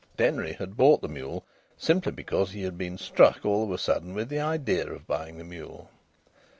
Denry had bought the mule simply because he had been struck all of a sudden with the idea of buying the mule.